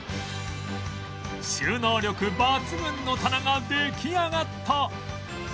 収納力抜群の棚が出来上がった